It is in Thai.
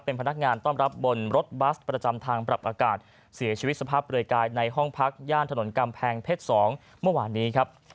เป็นพนักงานต้อนรับบนรถบัสประจำทางปรับอากาศเสียชีวิตสภาพเปลือยกายในห้องพักย่านถนนกำแพงเพชร๒เมื่อวานนี้ครับ